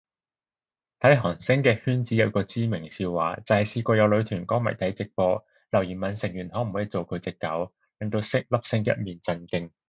睇韓星嘅圈子有個知名笑話，就係試過有女團歌迷睇直播，留言問成員可唔可以做佢隻狗，令到粒星一面震驚